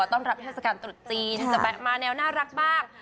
ต้อนรับเทศกาลตรุษจีนจะแบบมาแนวน่ารักบ้าง